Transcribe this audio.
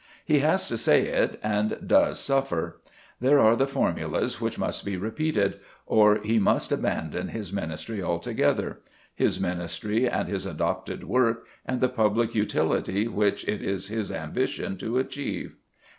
He has to say it, and does suffer. There are the formulas which must be repeated, or he must abandon his ministry altogether, his ministry, and his adopted work, and the public utility which it is his ambition to achieve.